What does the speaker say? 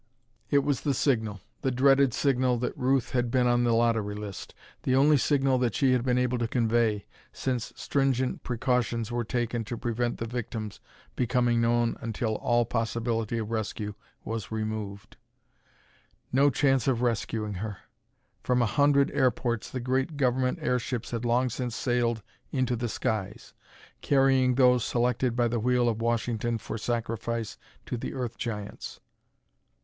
It was the signal, the dreaded signal that Ruth had been on the lottery list the only signal that she had been able to convey, since stringent precautions were taken to prevent the victims becoming known until all possibility of rescue was removed. No chance of rescuing her! From a hundred airports the great Government airships had long since sailed into the skies, carrying those selected by the wheel at Washington for sacrifice to the Earth Giants.